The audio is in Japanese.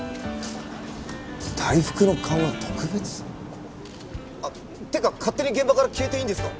大福の勘は特別。っていうか勝手に現場から消えていいんですか？